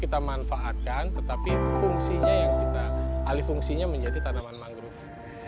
kita manfaatkan tetapi fungsinya yang kita alih fungsinya menjadi tanaman mangrove